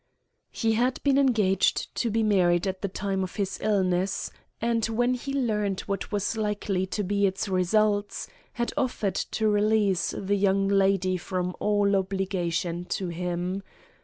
He had been engaged to be married at the time of his illness, and, when he learned what was likely to be its results, had offered to release the young lady from all obligation to him.